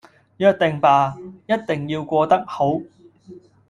約定吧......一定要過得好